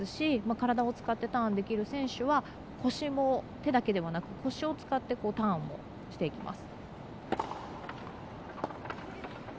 体を使ってターンできる選手は手だけではなく腰を使ってターンをしていきます。